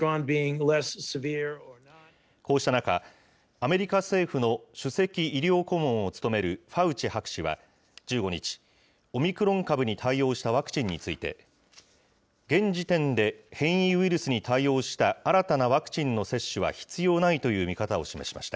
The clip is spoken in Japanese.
こうした中、アメリカ政府の首席医療顧問を務めるファウチ博士は１５日、オミクロン株に対応したワクチンについて、現時点で変異ウイルスに対応した新たなワクチンの接種は必要ないという見方を示しました。